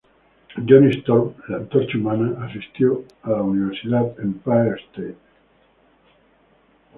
Johnny Storm, la Antorcha Humana, asistió a la Universidad Empire State.